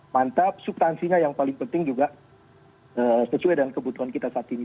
mantap subtansinya yang paling penting juga sesuai dengan kebutuhan kita saat ini